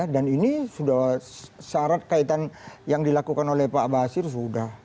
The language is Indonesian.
dan ini sudah syarat kaitan yang dilakukan oleh pak basir sudah